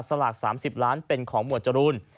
สลาก๓๐ล้านเป็นของร้อยจำรวจโทจรูน